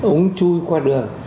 uống chui qua đường